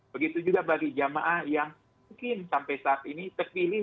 begitu juga bagi jamaah yang mungkin sampai saat ini terpilih